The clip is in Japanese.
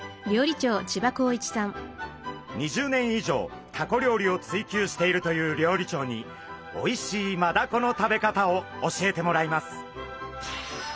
２０年以上タコ料理を追求しているという料理長においしいマダコの食べ方を教えてもらいます。